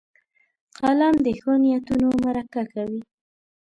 قلم د ښو نیتونو مرکه کوي